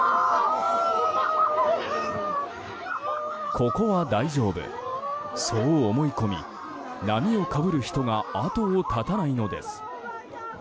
ここは大丈夫、そう思い込み波をかぶる人が後を絶たないのです。